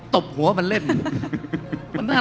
ตบหัวมันเล่น